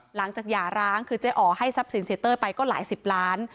หย่าร้างคือเจ๊อ๋อให้ทรัพย์สินเสียเต้ยไปก็หลายสิบล้าน